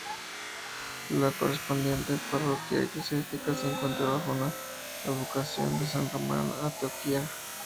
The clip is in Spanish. La correspondiente parroquia eclesiástica se encuentra bajo la advocación de san Román de Antioquía.